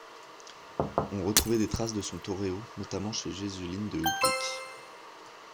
On retrouvait des traces de son toreo notamment chez Jesulín de Ubrique.